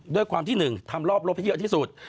ด้วยความที่หนึ่งทำรอบลบใหญ่ออกที่สุด